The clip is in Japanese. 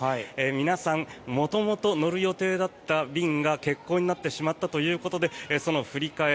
皆さん、元々乗る予定だった便が欠航になってしまったということでその振り替え